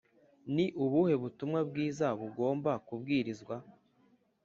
Ni ubuhe butumwa bwiza bugomba kubwirizwa